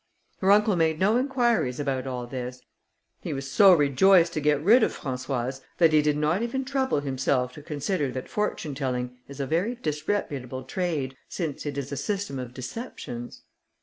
Her uncle made no inquiries about all this; he was so rejoiced to get rid of Françoise that he did not even trouble himself to consider that fortune telling is a very disreputable trade, since it is a system of deceptions.